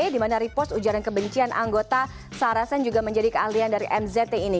di mana repost ujaran kebencian anggota sarasen juga menjadi keahlian dari mz ini